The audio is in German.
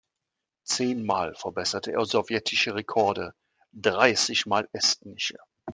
Zehn Mal verbesserte er sowjetische Rekorde, dreißig Mal estnische.